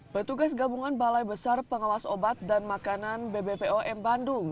petugas gabungan balai besar pengawas obat dan makanan bbpom bandung